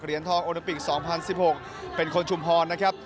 เหรียญทองโอนาปิก๒๐๑๖เป็นคนชุมพอร์นนะครับ